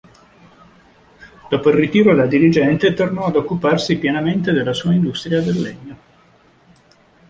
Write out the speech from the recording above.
Dopo il ritiro da dirigente tornò ad occuparsi pienamente della sua industria del legno.